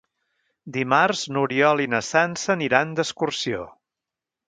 Dimarts n'Oriol i na Sança aniran d'excursió.